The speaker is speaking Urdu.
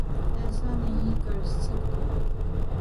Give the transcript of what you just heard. ایسا نہیں کرسکتا